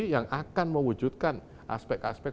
yang akan mewujudkan aspek aspek